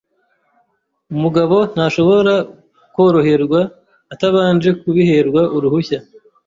Umugabo ntashobora kworoherwa atabanje kubiherwa uruhushya.